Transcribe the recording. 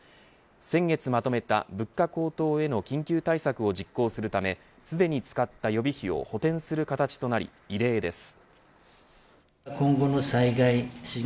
先月まとめた物価高騰への緊急対策を実行するためすでに使った予備費を補てんする形となり、異例です。